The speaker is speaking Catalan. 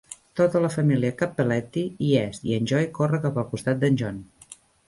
Tota la família Cappelletti hi és, i en Joey corre cap al costat de John.